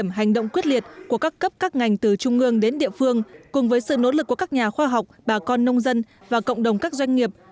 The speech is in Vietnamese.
nông nghiệp việt nam đã ngường đến địa phương cùng với sự nỗ lực của các nhà khoa học bà con nông dân và cộng đồng các doanh nghiệp